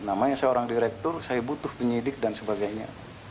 namanya seorang direktur saya butuh penyidik dan sebagainya